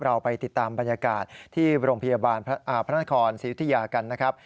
เราไปติดตามบรรยากาศที่โรงพยาบาลพระนครศรียุธิยากันนะครับ